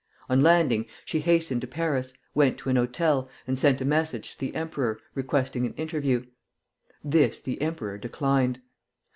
On landing, she hastened to Paris, went to an hotel, and sent a message to the emperor, requesting an interview. This the emperor declined.